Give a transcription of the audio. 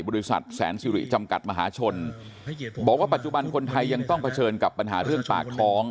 บริษัทแสนสิริจำกัดมหาชนบอกว่าปัจจุบันคนไทยยังต้องเผชิญกับปัญหาเรื่องปากท้อง